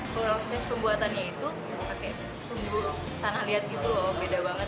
proses pembuatannya itu pakai bumbu tanah liat gitu loh beda banget